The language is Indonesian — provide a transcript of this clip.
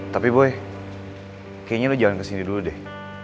tapi boy kayaknya lo jalan kesini dulu deh